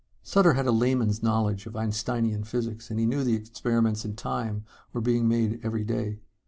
Sutter had a layman's knowledge of Einsteinian physics, and he knew that experiments in Time were being made every day.